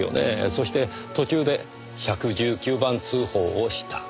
そして途中で１１９番通報をした。